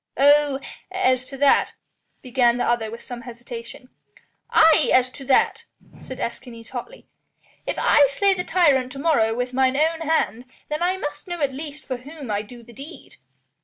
"Oh! as to that " began the other with some hesitation. "Aye! as to that," said Escanes hotly, "if I slay the tyrant to morrow with mine own hand, then must I know at least for whom I do the deed."